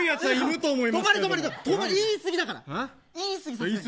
言い過ぎだから。